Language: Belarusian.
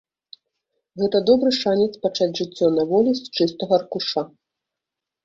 Гэта добры шанец пачаць жыццё на волі з чыстага аркуша.